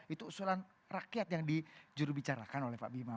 itu usulan rakyat yang dijurubicarakan oleh pak bima